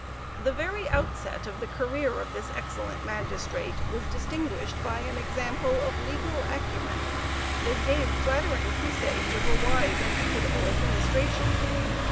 The very outset of the career of this excellent magistrate was distinguished by an example of legal acumen, that gave flattering presage of a wise and equitable administration.